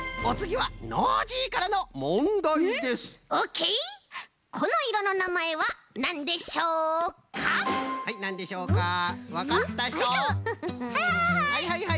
はいはいはい。